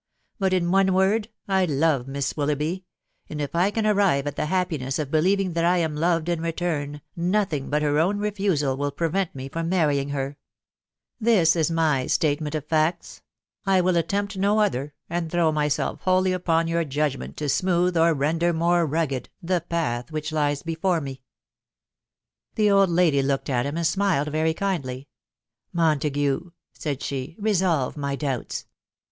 Ber, in one word, 1 love Miss WiHoughby ; and if I can arrive at the happiness of believing that I am loved in return, auAiag hat her own Tefasel will prevent me from marrying Tins is my statement <A tote \\ w\&. axxaaxoXaai THE WIDOW BARNABT. 42? and throw myself wholly upon your judgment to smooth, «r render more rugged, the path which lies before me." The old lady looked at him and smiled very kindly. a Mon tague/' said she, <" resolve my doubts.